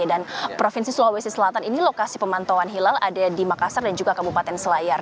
dan provinsi sulawesi selatan ini lokasi pemantauan hilal ada di makassar dan juga kabupaten selayar